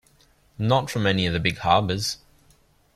Not from any of the big harbours.